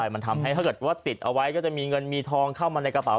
มันทำให้ถ้าเกิดว่าติดเอาไว้ก็จะมีเงินมีทองเข้ามาในกระเป๋า